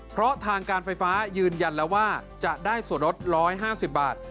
เพราะทางการไฟฟ้ายืนยันแล้วว่าจะได้ส่วนลด๑๕๐บาท